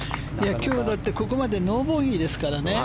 今日、だってここまでノーボギーですからね。